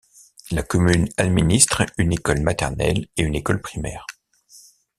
La commune administre une école maternelle et une école primaire.